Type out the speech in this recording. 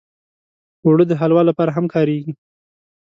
اوړه د حلوا لپاره هم کارېږي